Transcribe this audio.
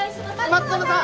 「松園さん！